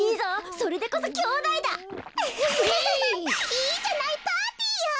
いいじゃないパーティーよ！